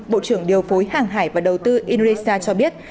bộ trưởng điều phối hàng hải và đầu tư indonesia cho biết